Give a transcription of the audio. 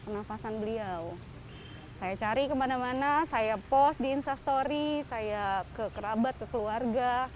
saya mencari kemana mana saya post di instastory saya ke kerabat ke keluarga